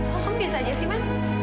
kok ampeus aja sih man